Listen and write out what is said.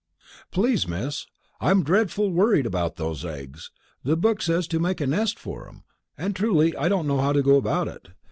"Please, Miss, I'm dreadful worried about those eggs. The book says to make a nest for 'em, and truly I don't know how to go about it.